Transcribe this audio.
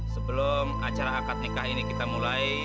sebelum acara akad nikah ini kita mulai